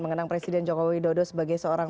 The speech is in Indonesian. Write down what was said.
mengenang presiden jokowi dodo sebagai seorang